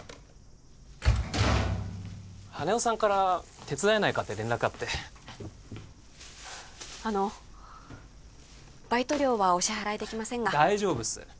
羽男さんから手伝えないかって連絡あってあのバイト料はお支払いできませんが大丈夫っす